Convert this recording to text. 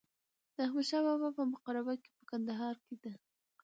د احمدشاه بابا په مقبره په کندهار کې ده.